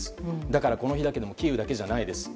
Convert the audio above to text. だからこの日だけでもキーウだけではないです。